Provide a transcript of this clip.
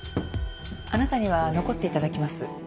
あなたには残って頂きます。